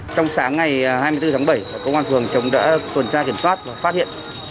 trong sáng ngày hai mươi bốn tháng bảy công an phường chống đã tuần tra kiểm soát và phát hiện